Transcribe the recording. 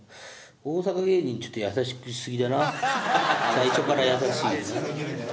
最初から優しい。